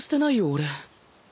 俺。